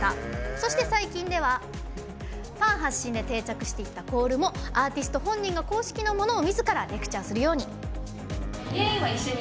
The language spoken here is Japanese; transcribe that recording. そして、最近ではファン発信で定着していったコールもアーティスト本人が公式のものをみずからレクチャーするように。